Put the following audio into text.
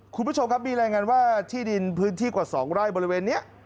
คุณผู้ชมครับมีรายงานว่าที่ดินพื้นที่กว่า๒ไร่บริเวณนี้